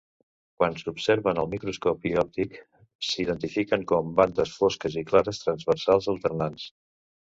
Quan s'observen al microscopi òptic s'identifiquen com bandes fosques i clares transversals alternants.